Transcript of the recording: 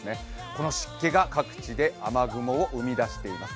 この湿気が各地で雨雲を生み出しています。